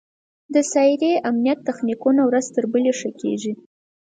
د سایبري امنیت تخنیکونه ورځ تر بلې ښه کېږي.